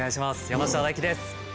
山下大輝です。